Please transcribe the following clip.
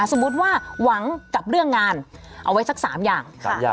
สมมุติว่าหวังกับเรื่องงานเอาไว้สัก๓อย่าง